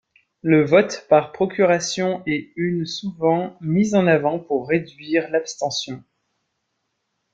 Le vote par procuration est une souvent mis en avant pour réduire l'abstention.